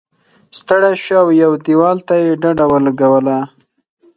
ستړی شو او یوه دیوال ته یې ډډه ولګوله.